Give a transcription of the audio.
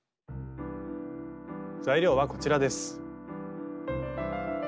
材料はこちらです。